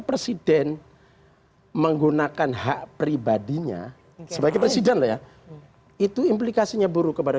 presiden menggunakan hak pribadinya sebagai presiden loh ya itu implikasinya buruk kepada